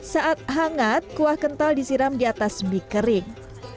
saat hangat kuah kental disiram di atas mie kering